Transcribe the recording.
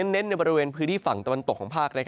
เน้นในบริเวณพื้นที่ฝั่งตะวันตกของภาค